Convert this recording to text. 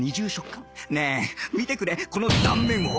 ねえ見てくれこの断面を！